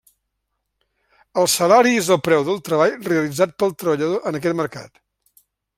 El salari és el preu del treball realitzat pel treballador en aquest mercat.